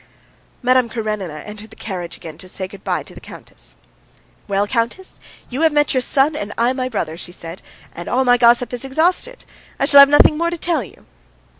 Madame Karenina entered the carriage again to say good bye to the countess. "Well, countess, you have met your son, and I my brother," she said. "And all my gossip is exhausted. I should have nothing more to tell you."